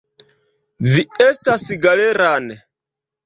Vi estas Galeran.